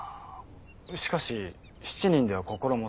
しかし７人では心もとない。